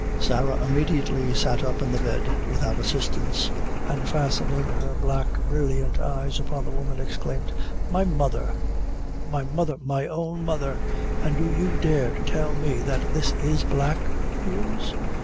Sarah immediately sat up in the bed, without assistance, and fastening her black, brilliant eyes upon the woman, exclaimed "My mother my mother my own mother! an' do you dare to tell me that this is black news?